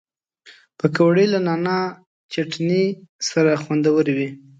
پکورې له نعناع چټني سره خوندورې وي